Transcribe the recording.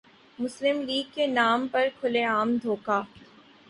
مسلم لیگ کے نام پر کھلے عام دھوکہ ۔